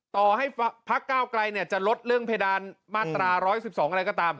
ต่อให้พักก้าวไกลจะลดเรื่องเพดานมาตรา๑๑๒อะไรก็ตาม